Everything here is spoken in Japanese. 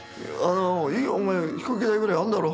「お前飛行機代ぐらいあるだろ。